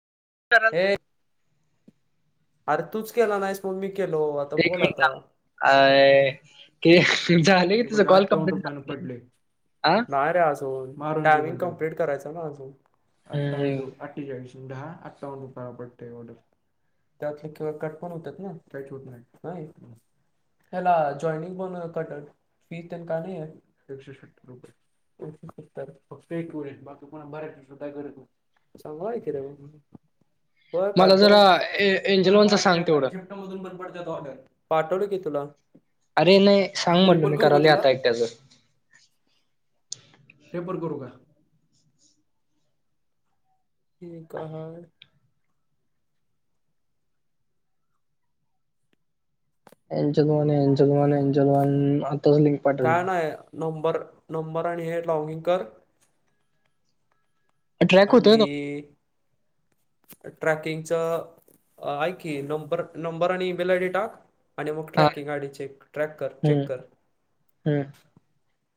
पर्यंत हे अरे तूच केला नाहीस मग मी किलो एक मिनिट थांब आये ए तुझ की हे तुझं बघा कॉल अठ्ठावन्न कप्ले रुपयानं झालं पडले अ नाही रे अजून टायमिंग कंप्लीट करायच ना आठ वीस हम्म अठ्ठेचाळीस दहाआठवण कृपया पडतय ऑर्डर. त्यातले किंवा कट पण होतात ना, काहीच होत नाही, नाही ह्याला जॉइनिंग म्हणून कट फी त्यां का नाही आहे एकशे सत्तर रुपये. एकशे सत्तर फक्त एक वेळेस बाकी पुन्हा भरायचे सुद्धा गरज नाही. चागलं आहे कि रे मंग हो मला काता जरा ए एंजल थड वनचं सांग पार्टला तेवढं पाहिजे बंद पडत्यात ऑर्डर पाठवलं की तुला. अरे नाही सांग म्हंटलो रिपोर्ट मी करू का करालोय तुला आता एकट्याचं. ते पण करू का? ते [unintelligible] [unintelligible] काय नाही नंबर नंबर आणि हे लॉगिंग कर ट्रॅक होतोय आणि ना ट्रॅकिंगच आईक की नंबर नंबर आणि ई मेल आय डी टाक. आणि मग हा ट्रॅकिंग गाडी चेक ट्रॅक कर, हम्म चेक कर. हम्म